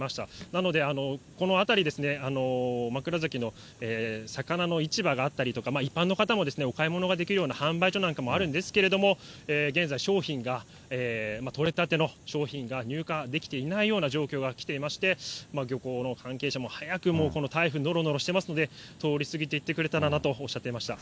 なのでこの辺り、枕崎の魚の市場があったりとか、一般の方もお買い物ができる販売所なんかもあるんですけれども、現在、商品が、取れたての商品が入荷できていないような状況がきていまして、漁港の関係者も、早くこの台風、のろのろしてますので、通り過ぎていってくれたらなとおっしゃっていました。